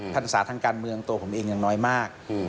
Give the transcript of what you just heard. ทันศาสตร์ทางการเมืองตัวผมเองยังน้อยมาก